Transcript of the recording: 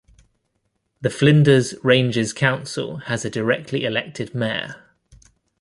The Flinders Ranges Council has a directly-elected mayor.